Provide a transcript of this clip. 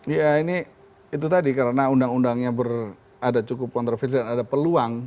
ya ini itu tadi karena undang undangnya ada cukup kontroversi dan ada peluang